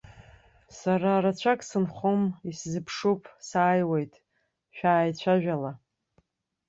Сара рацәак сынхом, исзыԥшуп, сааиуеит, шәааицәажәала.